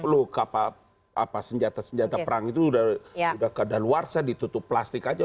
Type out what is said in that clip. loh kapal senjata senjata perang itu sudah ke dalawarsa ditutup plastik saja